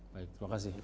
baik terima kasih